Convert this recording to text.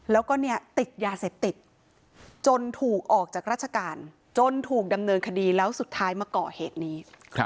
แล้วก็ติดยาเสพติดจนถูกออกจากราชการจนถูกดำเนินคดีแล้วสุดท้ายมาก่อเหตุนี้